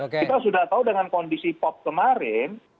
kita sudah tahu dengan kondisi pop kemarin